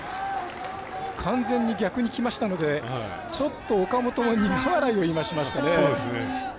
完全に逆にきましたので岡本も苦笑いをしましたね。